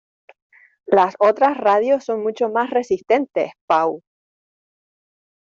¡Las otras radios son mucho más resistentes, Pau!